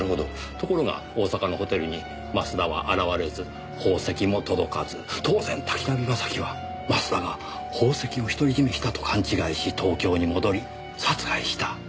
ところが大阪のホテルに増田は現れず宝石も届かず当然滝浪正輝は増田が宝石を独り占めしたと勘違いし東京に戻り殺害した。